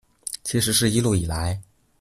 其實是一路以來